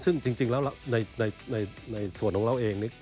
ซึ่งจริงแล้วในส่วนของเราเอง